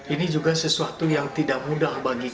ini juga sesuatu yang tidak mudah bagi kita